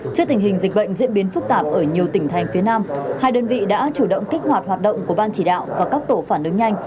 trước tình hình dịch bệnh diễn biến phức tạp ở nhiều tỉnh thành phía nam hai đơn vị đã chủ động kích hoạt hoạt động của ban chỉ đạo và các tổ phản ứng nhanh